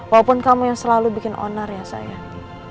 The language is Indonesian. walaupun kamu yang selalu bikin onar ya sayang